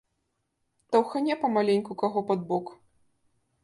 Таўхане памаленьку каго пад бок.